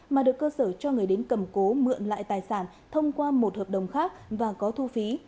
mà được cơ sở cho người đến cầm cố mượn lại tài sản thông qua một hợp đồng khác và có thu phí